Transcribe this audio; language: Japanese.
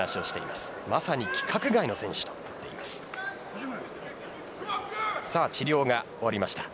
まさに規格外の選手と言っていました。